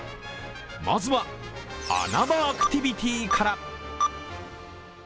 まずは、穴場アクティビティから。